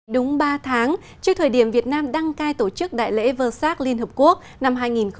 đúng ba tháng trước thời điểm việt nam đăng cai tổ chức đại lễ vơ sát liên hợp quốc năm hai nghìn một mươi chín